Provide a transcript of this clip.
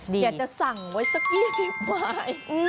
อยากจะสั่งไว้สัก๒๐ใบ